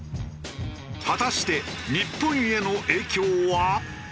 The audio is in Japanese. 果たして日本への影響は？